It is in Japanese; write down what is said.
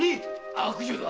悪女だ！